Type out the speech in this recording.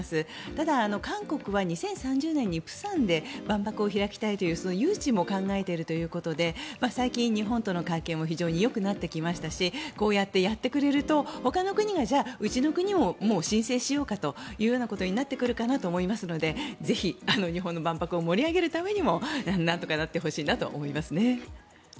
ただ、韓国は２０３０年に釜山で万博を開きたいという誘致も考えているということで最近、日本との関係も非常によくなってきましたしこうやってやってくれるとほかの国がじゃあ、うちの国ももう申請しようかということになってくるかなと思いますのでぜひ日本の万博を盛り上げるためにもなんとかなってほしいなと思います。